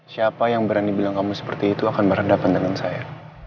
siapa yang berani bilang kamu seperti itu akan berhadapan dengan saya